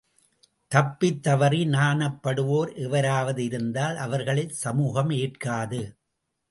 தப்பித்தவறி நாணப்படுவோர் எவராவது இருந்தால் அவர்களைச் சமூகம் ஏற்காது.